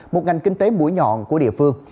một ngành kinh tế mũi nhọn của địa phương